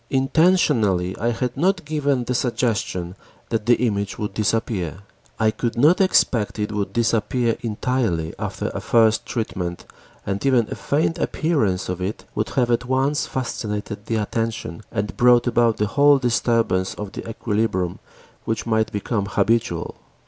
Intentionally I had not given the suggestion that the image would disappear. I could not expect it would disappear entirely after a first treatment and even a faint appearance of it would have at once fascinated the attention and brought about the whole disturbance of the equilibrium which might become habitual.